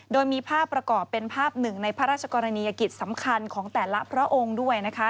โดยมีภาพประกอบเป็นภาพหนึ่งในพระราชกรณียกิจสำคัญของแต่ละพระองค์ด้วยนะคะ